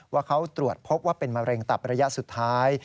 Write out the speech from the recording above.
ว่าเขาตรวจพบว่าเป็นมะเร็งตับระยะสุดท้าย